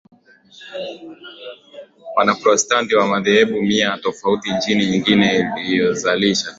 Waprotestanti wa madhehebu mia tofauti Nchi nyingine inayozalisha